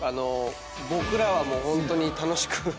僕らはもうホントに楽しく。